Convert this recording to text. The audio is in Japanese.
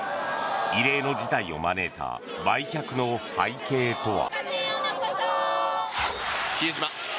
異例の事態を招いた売却の背景とは。